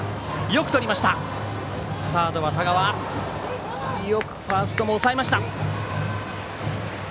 よくファーストも押さえました。